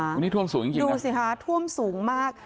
วันนี้ท่วมสูงจริงดูสิคะท่วมสูงมาก